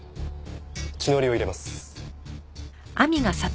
「血のりを入れます」